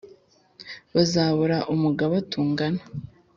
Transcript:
bazabura umugaba tungana